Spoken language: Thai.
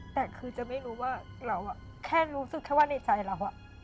แต่คือจะไม่รู้ว่าเราแค่รู้สึกแค่ว่าในใจเรา